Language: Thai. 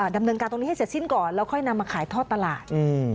ดำเนินการตรงนี้ให้เสร็จสิ้นก่อนแล้วค่อยนำมาขายทอดตลาด